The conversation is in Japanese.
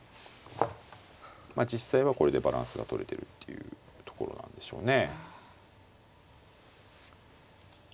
実際はこれでバランスがとれてるっていうところなんでしょうね。